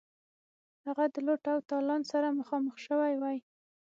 هغه د لوټ او تالان سره مخامخ شوی وای.